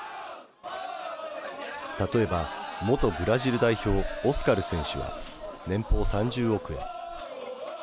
たとえば元ブラジル代表オスカル選手は年俸３０億円。